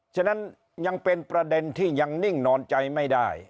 ฉะนั้นยังเป็นประเด็นที่ยังนิ่งนอนใจไม่ได้